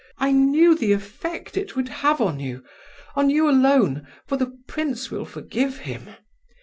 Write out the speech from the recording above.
I knew the effect it would have on you,—on you alone, for the prince will forgive him.